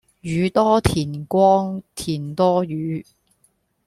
宇多田光田多雨